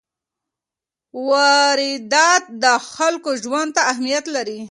واردات د خلکو ژوند ته اهمیت لري.